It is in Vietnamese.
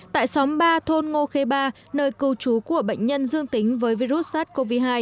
tại xóm ba thôn ngô khê ba nơi cư trú của bệnh nhân dương tính với virus sars cov hai